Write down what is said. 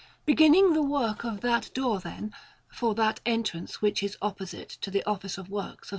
Beginning the work of that door, then, for that entrance which is opposite to the Office of Works of S.